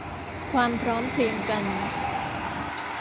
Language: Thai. ความพร้อมเพรียงกัน